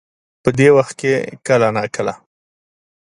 په دې وخت کې کله نا کله